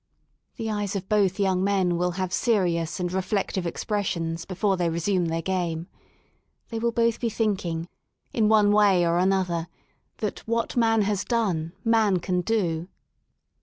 The eyes of both young men will have serious and reflec tive expressions before they resume their game. They will both be thinking, in one way or another, that what man has done man can do.